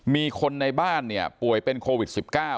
มีคนในบ้านเนี่ยป่วยเป็นโควิด๑๙